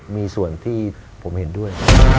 มีส่วนที่ผมเห็นด้วย